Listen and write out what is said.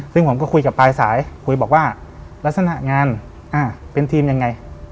ซึ่งผมก็คุยกับปลายสายคุยบอกว่าลักษณะงานเป็นทีมยังไง